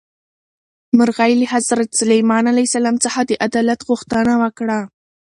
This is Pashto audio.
مرغۍ له حضرت سلیمان علیه السلام څخه د عدالت غوښتنه وکړه.